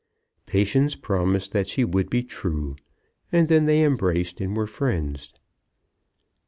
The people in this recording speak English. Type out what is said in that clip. Patience promised that she would be true; and then they embraced and were friends.